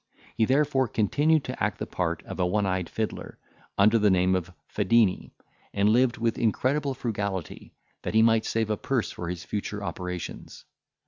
He therefore continued to act the part of a one eyed fiddler, under the name of Fadini, and lived with incredible frugality, that he might save a purse for his future operations.